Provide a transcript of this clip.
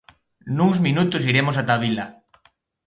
Nuns minutos iremos ata a vila.